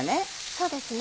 そうですね。